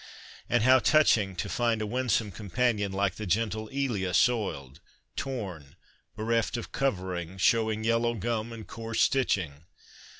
And how touching to find a winsome companion like the gentle Elia soiled, torn, bereft of covering, showing yellow gum and coarse stitching